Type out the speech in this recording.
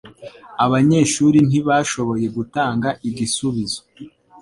Abanyeshuri ntibashoboye gutanga igisubizo.